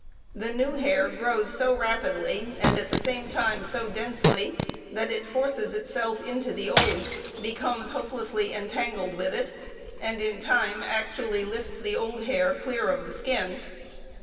The new hair grows so rapidly, and at the same time so densely, that it forces itself into the old, becomes hopelessly entangled with it, and in time actually lifts the old hair clear of the skin.